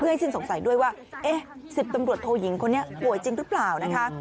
เพื่อให้ชินสงสัยด้วยว่า๑๐ตำรวจโทหยิงคนนี้ป่วยจริงหรือเปล่า